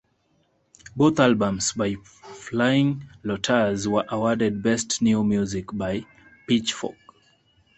Both albums by Flying Lotus were awarded "Best New Music" by Pitchfork.